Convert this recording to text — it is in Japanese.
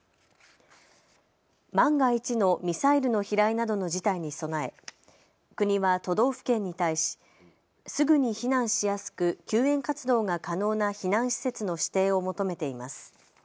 万が一のミサイルの飛来などの事態に備え、国は都道府県に対しすぐに避難しやすく救援活動が可能な避難施設の指定を求めています。